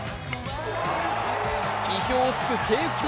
意表をつくセーフティ